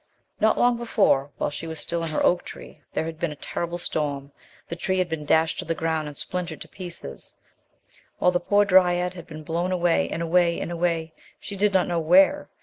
Not long before, while she was still in her oak tree, there had been a terrible storm ; the tree had been dashed to the ground and splintered to pieces, while the poor dryad had been blown away, and away, and away, she did not know where.